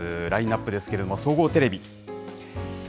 ラインナップですけれども、総合テレビ。